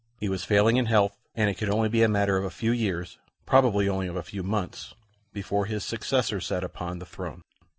He was failing in health, and it could only be a matter of a few years, probably of only a few months, before his successor sat upon the throne.